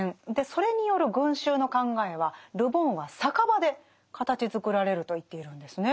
それによる群衆の考えはル・ボンは酒場で形づくられると言っているんですね。